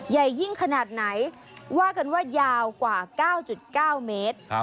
ใหญ่ยิ่งขนาดไหนว่ากันว่ายาวกว่า๙๙เมตร